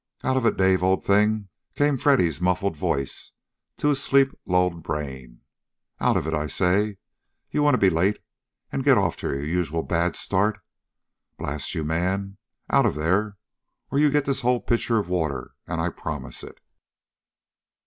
"Out of it, Dave, old thing!" came Freddy's muffled voice to his sleep lulled brain. "Out of it, I say! You want to be late and get off to your usual bad start? Blast you, man! Out of there, or you get this whole pitcher of water, and I promise it!"